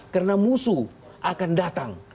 karena musuh akan datang